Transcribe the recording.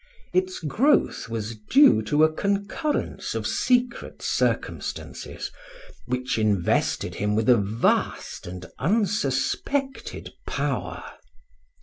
Its growth was due to a concurrence of secret circumstances, which invested him with a vast and unsuspected power.